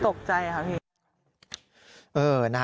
ตกใจครับพี่